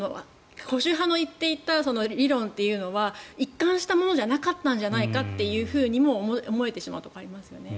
保守派の言っていた理論というのは一貫したものじゃなかったんじゃないかと思えてしまうところがありますよね。